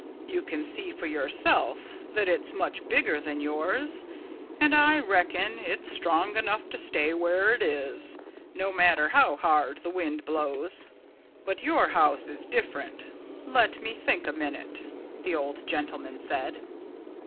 You can see for yourself that it's much bigger than yours. And I reckon it's strong enough to stay where it is, no matter how hard the wind blows. But your house is different.... Let me think a minute!" the old gentleman said.